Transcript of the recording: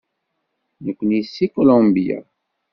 Nekkni seg Colombia.